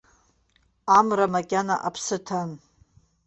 Амра макьана аԥсы ҭан.